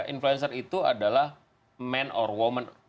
influencer itu adalah man or woman